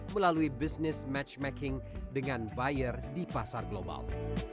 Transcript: melalui bisnis matchmaking dengan buyer di pasar global